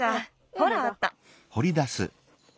ほらあった。